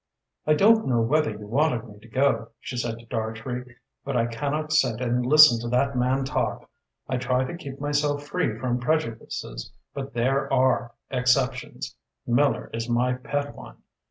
"I don't know whether you wanted me to go," she said to Dartrey, "but I cannot sit and listen to that man talk. I try to keep myself free from prejudices, but there are exceptions. Miller is my pet one.